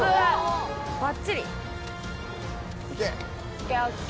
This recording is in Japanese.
ＯＫＯＫ